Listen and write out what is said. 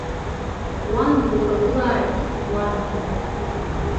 Уан духагылааит, уан!